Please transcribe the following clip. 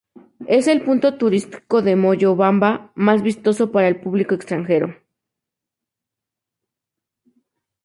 Es el punto turístico de Moyobamba más vistoso para el público extranjero.